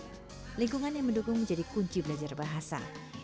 lingkungan yang mendukung menjadi kunci belajar bahasa